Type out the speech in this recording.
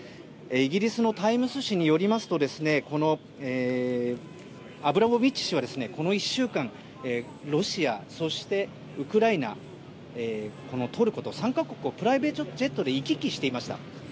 イギリスのタイムズ紙によりますとアブラモビッチ氏はこの１週間、ロシアそしてウクライナ、トルコと３か国をプライベートジェットで行き来していました。